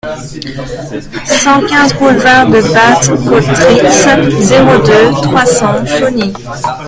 cent quinze boulevard de Bad Kostritz, zéro deux, trois cents, Chauny